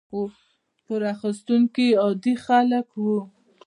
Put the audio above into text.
پور اخیستونکي عادي خلک وو.